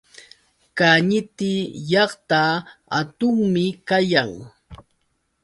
Kañiti llaqta hatunmi kayan.